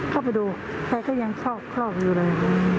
เข้าไปดูแพทย์ก็ยังคลอบคลอบอยู่เลย